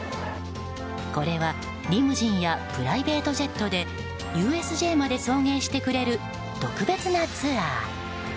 これはリムジンやプライベートジェットでＵＳＪまで送迎してくれる特別なツアー。